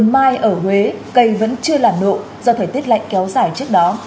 mai ở huế cây vẫn chưa là nộ do thời tiết lạnh kéo dài trước đó